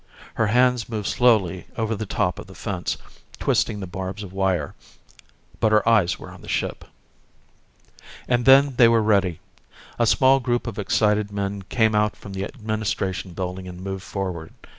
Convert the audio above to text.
Her hands moved slowly over the top of the fence, twisting the barbs of wire. But her eyes were on the ship. And then they were ready. A small group of excited men came out from the administration building and moved forward.